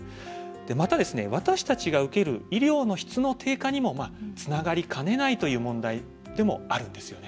また、私たちが受ける医療の質の低下にもつながりかねないという問題でもあるんですよね。